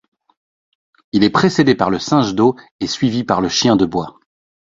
Il est précédé par le singe d'eau et suivi par le chien de bois.